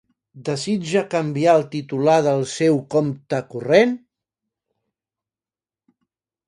Desitja canviar el titular del seu compte corrent?